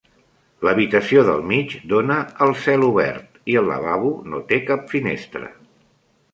L'habitació del mig dona al celobert i el lavabo no té cap finestra.